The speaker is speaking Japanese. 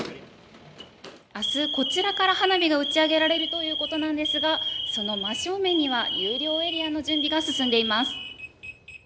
あす、こちらから花火が打ち上げられるということなんですが、その真正面には有料エリアの準備が進んでいます。